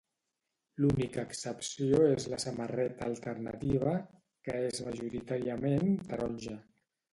L'única excepció és la samarreta alternativa, que és majoritàriament taronja.